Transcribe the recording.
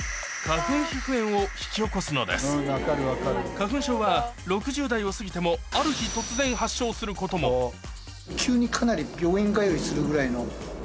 花粉症は６０代を過ぎてもある日突然発症することも結構。